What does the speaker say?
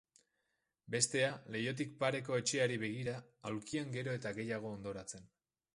Bestea, leihotik pareko etxeari begira, aulkian gero eta gehiago hondoratzen.